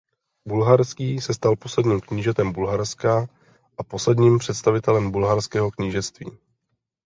Bulharský se stal posledním knížetem Bulharska a posledním představitelem Bulharského knížectví.